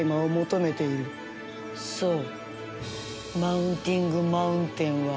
そう。